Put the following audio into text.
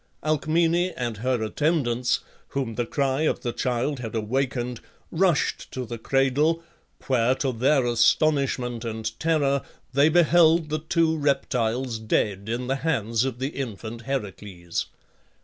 Alcmene and her attendants, whom the cry of the child had awakened, rushed to the cradle, where, to their astonishment and terror, they beheld the two reptiles dead in the hands of the infant Heracles.